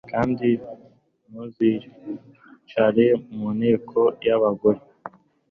kandi ntuzicare mu nteko y'abagore